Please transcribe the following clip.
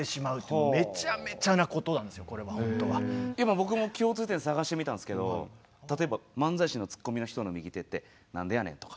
今僕も共通点探してみたんすけど例えば漫才師のツッコミの人の右手ってなんでやねんとか。